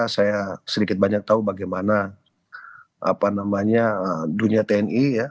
saya sedikit banyak tahu bagaimana apa namanya dunia tni ya